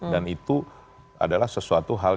dan itu adalah sesuatu hal